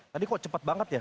tadi kok cepet banget ya